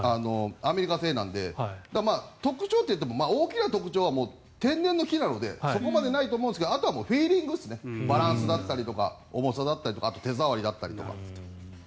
アメリカ製なので特徴といっても大きな特徴は天然の木なのでそこまでないと思いますがあとはフィーリングですのでバランスだったり重さだったり手触りだったりとか。